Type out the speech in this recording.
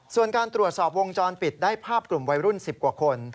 ส่วนการตรวจสอบวงจรปิดได้ภาพกลุ่มวัยรุ่น๑๐กว่าคน